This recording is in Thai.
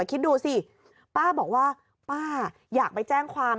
คิดดูสิป้าบอกว่าป้าอยากไปแจ้งความ